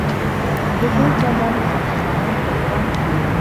د دوی چل دا دی چې مسلمانان په تنګ کړي.